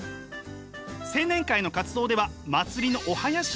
青年会の活動では祭りのお囃子を務め。